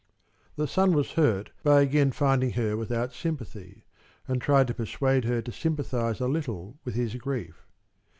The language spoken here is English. The son was hurt by again finding her without sympathy, and tried to persuade her to sympathize a little with his grief.